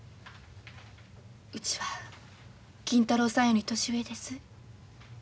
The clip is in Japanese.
うちは金太郎さんより年上です。